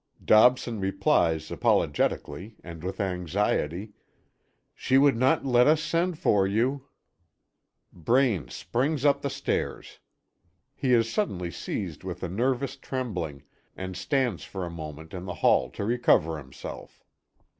Dobson replies apologetically and with anxiety: "She would not let us send for you " Braine springs up the stairs. He is suddenly seized with a nervous trembling, and stands for a moment in the hall to recover himself.